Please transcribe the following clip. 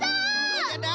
そうじゃな！